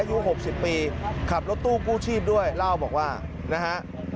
อายุ๖๐ปีขับรถตู้กู้ชีพด้วยเล่าบอกว่านะฮะ